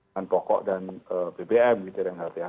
dan pokok dan bbm gitu ren hatia